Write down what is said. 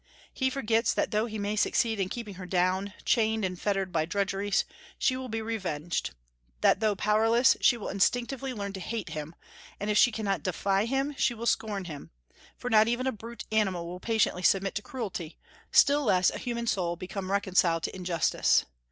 He forgets that though he may succeed in keeping her down, chained and fettered by drudgeries, she will be revenged; that though powerless, she will instinctively learn to hate him; and if she cannot defy him she will scorn him, for not even a brute animal will patiently submit to cruelty, still less a human soul become reconciled to injustice.